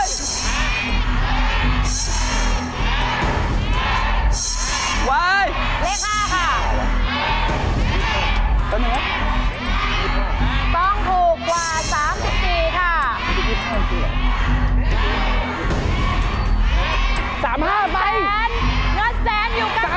สำหรับทุกคนแสนต่างกันอยู่ที่